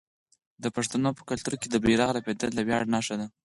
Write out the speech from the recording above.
د پښتنو په کلتور کې د بیرغ رپیدل د ویاړ نښه ده.